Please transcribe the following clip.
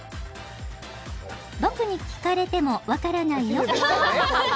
「僕に聞かれても分からないよ」